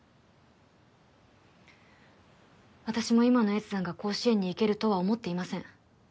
私も今の越山が甲子園に行けるとは思っていません